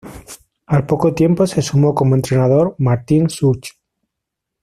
Al poco tiempo se sumó como entrenador Martín Such.